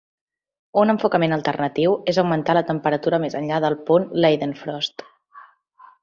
Un enfocament alternatiu és augmentar la temperatura més enllà del punt Leidenfrost.